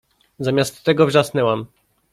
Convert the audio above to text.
Zamiast tego wrzasnęłam